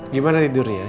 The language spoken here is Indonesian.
gimana tidurnya nyenyak